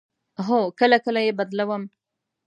هو، کله کله یی بدلوم